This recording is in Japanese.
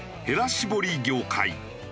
絞り業界。